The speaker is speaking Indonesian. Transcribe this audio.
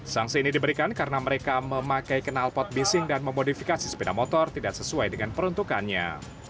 sanksi ini diberikan karena mereka memakai kenal pot bising dan memodifikasi sepeda motor tidak sesuai dengan peruntukannya